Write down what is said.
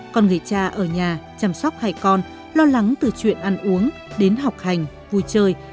còn người cha ở nhà chăm sóc hai con lo lắng từ chuyện ăn uống đến học hành vui chơi